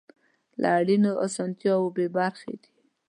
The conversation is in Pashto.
له اړینو اسانتیاوو بې برخې دي.